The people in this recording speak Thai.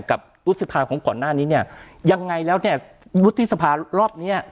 กับพฤษภาคมก่อนหน้านี้เนี่ยยังไงแล้วเนี่ยวุฒิสภารอบเนี้ย